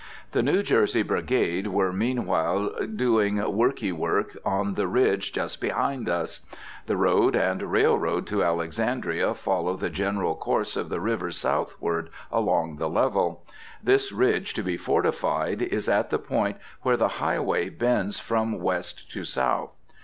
The New Jersey brigade were meanwhile doing workie work on the ridge just beyond us. The road and railroad to Alexandria follow the general course of the river southward along the level. This ridge to be fortified is at the point where the highway bends from west to south.